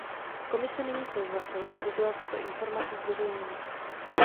Komise nyní souhlasila, aby byla tato informace zveřejněna.